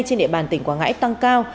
trên địa bàn tỉnh quảng ngãi tăng cao